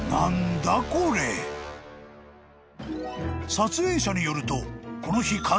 ［撮影者によるとこの日］